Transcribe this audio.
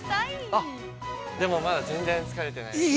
◆あっ、でもまだ全然疲れてない。